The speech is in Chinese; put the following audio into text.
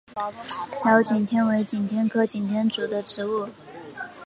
小景天为景天科景天属的植物。